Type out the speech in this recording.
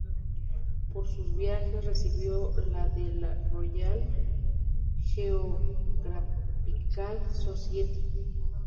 Por sus viajes recibió la de la Royal Geographical Society.